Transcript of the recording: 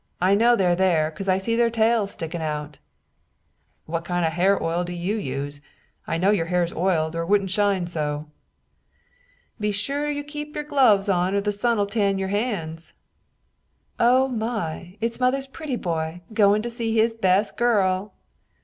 I know they're there, 'cause I see their tails stickin' out!" "What kind o' hair oil do you use? I know your head's oiled, or it wouldn't shine so." "Be sure you keep your gloves on or the sun'll tan your hands!" "Oh, my, it's mother's pretty boy, goin' to see his best girl!"